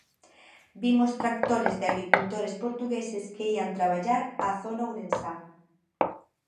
Vimos tractores de agricultores portugueses que ían traballar á zona ourensá.